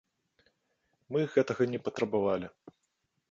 Мы гэтага не патрабавалі.